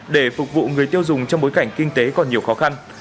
để phục vụ người tiêu dùng trong bối cảnh kinh tế còn nhiều khó khăn